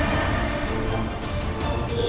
jangan pak landung